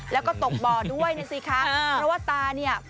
แล้วก็ตกบ่อด้วยนะสิคะเพราะว่าตาเนี่ย